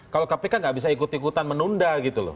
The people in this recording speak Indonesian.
kalau kpk nggak bisa ikut ikutan menunda gitu loh